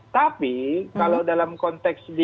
tapi kalau dalam konteks di